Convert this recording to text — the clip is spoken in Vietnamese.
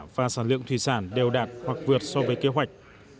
và sản lượng thủy sản đều đạt hoặc vượt so với kế hoạch